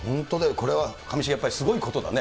これは上重、やっぱりすごいことだね。